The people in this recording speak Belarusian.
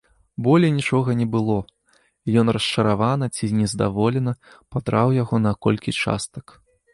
Болей нічога не было, і ён расчаравана ці нездаволена падраў яго на колькі частак.